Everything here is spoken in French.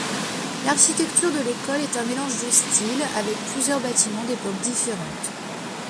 L'architecture de l'école est un mélange de style avec plusieurs bâtiments d'époques différentes.